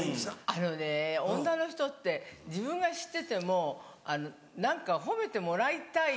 あのね女の人って自分が知ってても何か褒めてもらいたい。